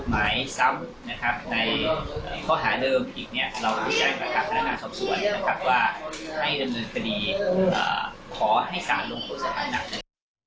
ว่าให้ดำเนินคดีขอให้สารลงตัวสถานการณ์